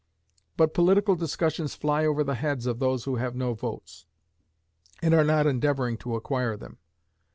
But political discussions fly over the heads of those who have no votes, and are not endeavouring to acquire them.